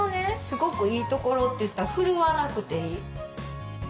すごくいいところといったらふるわなくていい。